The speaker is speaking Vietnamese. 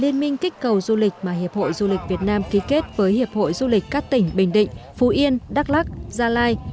liên minh kích cầu du lịch mà hiệp hội du lịch việt nam ký kết với hiệp hội du lịch các tỉnh bình định phú yên đắk lắc gia lai